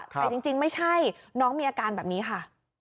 แต่จริงไม่ใช่น้องมีอาการแบบนี้ค่ะ